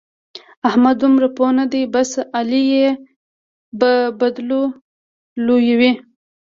احمد دومره پوه نه دی؛ بس علي يې به بدلو لويوي.